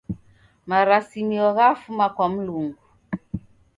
Marasimio ghafuma kwa Mlungu.